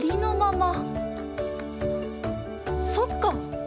そっか！